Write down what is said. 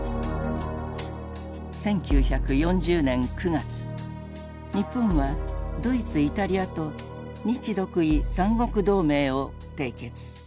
１９４０年９月日本はドイツイタリアと日独伊三国同盟を締結。